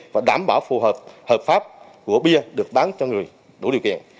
và đảm bảo phù hợp hợp pháp của bia được bán cho người đủ điều kiện